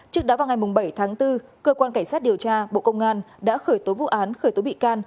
trước đó vào ngày bảy tháng bốn cơ quan cảnh sát điều tra bộ công an đã khởi tố vụ án khởi tố bị can